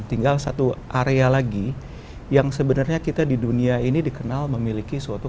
tinggal satu area lagi yang sebenarnya kita di dunia ini dikenal memiliki suatu